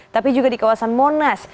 tapi juga di kawasan monas